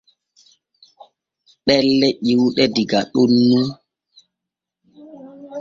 Ɗelle ƴiwuɗe diga ɗon nun.